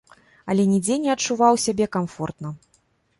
Але нідзе не адчуваў сябе камфортна.